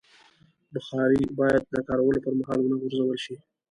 بخاري باید د کارولو پر مهال ونه غورځول شي.